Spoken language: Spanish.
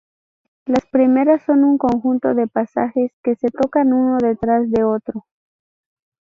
Las primeras son un conjunto de pasajes que se tocan uno detrás de otro.